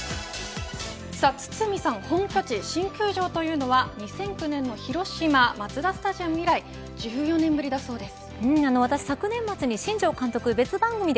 さあ堤さん本拠地、新球場というのは２００９年の広島マツダスタジアム以来１４年ぶりだそうです。